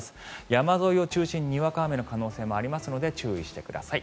山沿いを中心ににわか雨の可能性もありますので注意してください。